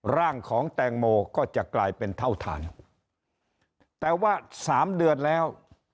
ร่างของแตงโมก็จะกลายเป็นเท่าทานแต่ว่าสามเดือนแล้ว